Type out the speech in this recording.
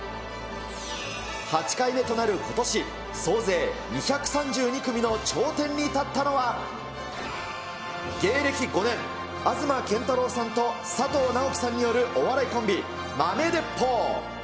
８回目となることし、総勢２３２組の頂点に立ったのは、芸歴５年、東健太郎さんと佐藤直輝さんによるお笑いコンビ、豆鉄砲。